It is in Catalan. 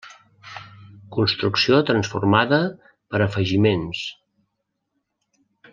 Construcció transformada per afegiments.